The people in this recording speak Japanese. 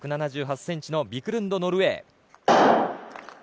１７８ｃｍのビクルンド、ノルウェー。